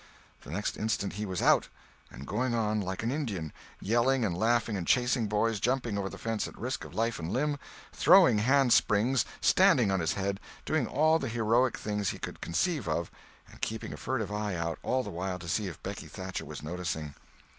The next instant he was out, and "going on" like an Indian; yelling, laughing, chasing boys, jumping over the fence at risk of life and limb, throwing handsprings, standing on his head—doing all the heroic things he could conceive of, and keeping a furtive eye out, all the while, to see if Becky Thatcher was noticing.